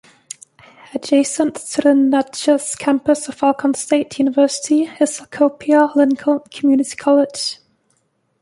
Adjacent to the Natchez campus of Alcorn State University is Copiah-Lincoln Community College.